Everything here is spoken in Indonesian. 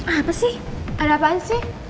apa sih ada apaan sih